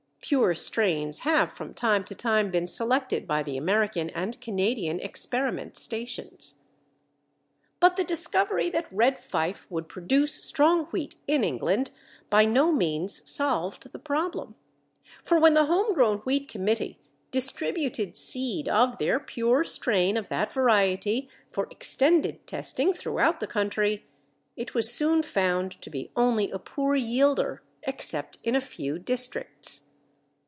Pure strains have from time to time been selected by the American and Canadian experiment stations. But the discovery that Red Fife would produce strong wheat in England by no means solved the problem, for when the Home Grown Wheat Committee distributed seed of their pure strain of that variety for extended testing throughout the country, it was soon found to be only a poor yielder except in a few districts.